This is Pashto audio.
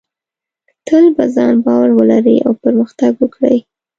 تل په ځان باور ولرئ او پرمختګ وکړئ.